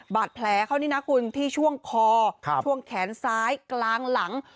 บาดแผลเขานี่นะคุณที่ช่วงคอช่วงแขนซ้ายกลางหลัง